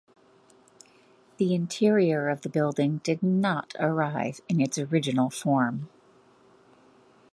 The interior of the building did not arrive in its original form.